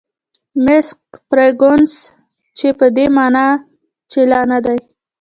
میس فرګوسن: 'pan encore' چې په دې مانا چې لا نه دي.